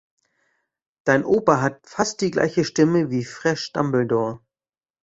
Dein Opa hat fast die gleiche Stimme wie Fresh Dumbledore.